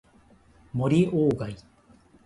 森鴎外